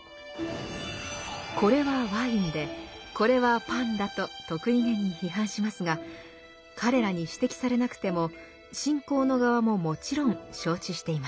これはワインでこれはパンだと得意げに批判しますが彼らに指摘されなくても信仰の側ももちろん承知しています。